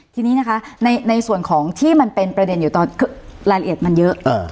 ทีนี้นะคะในส่วนของที่มันเป็นประเด็นอยู่ตอนรายละเอียดมันเยอะ